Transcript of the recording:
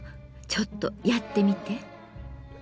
ちょっとやってみて。